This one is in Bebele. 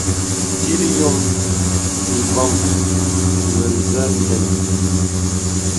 Tit yɔ̄m îbɔ̀ŋ mə̄sɛ̄ ndɛm.